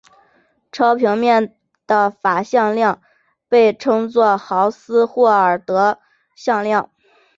超平面的法向量被称作豪斯霍尔德向量。